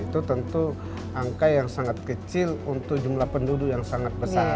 itu tentu angka yang sangat kecil untuk jumlah penduduk yang sangat besar